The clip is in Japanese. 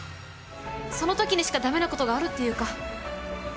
その時にしかだめなことがあるっていうか